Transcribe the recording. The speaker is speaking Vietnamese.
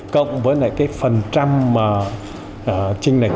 cộng với phần trăm trinh lệch